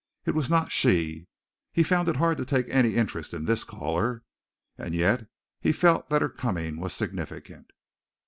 It was not she! He found it hard to take any interest in this caller, and yet he felt that her coming was significant.